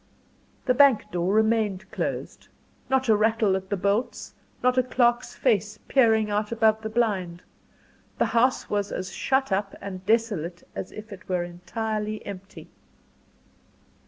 The bank door remained closed not a rattle at the bolts, not a clerk's face peering out above the blind. The house was as shut up and desolate as if it were entirely empty.